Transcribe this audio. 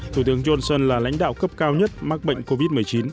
thủ tướng johnson là lãnh đạo cấp cao nhất mắc bệnh covid một mươi chín